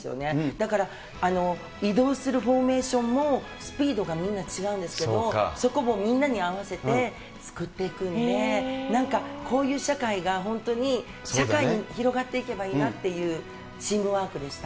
だから、移動するフォーメーションも、スピードがみんな違うんですけども、そこもみんなに合わせて作っていくんで、なんか、こういう社会が、本当に社会に広がっていけばいいなっていうチームワークでした。